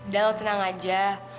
dahl tenang aja